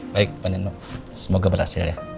baik pak nino semoga berhasil ya